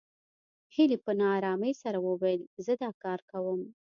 هيلې په نا آرامۍ سره وويل زه دا کار کوم